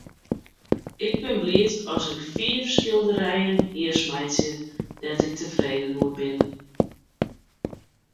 Ik bin bliid as ik fiif skilderijen jiers meitsje dêr't ik tefreden oer bin.